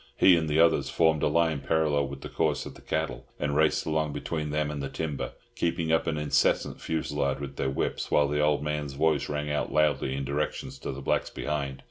He and the others formed a line parallel with the course of the cattle, and raced along between them and the timber, keeping up an incessant fusillade with their whips, while the old man's voice rang out loudly in directions to the blacks behind.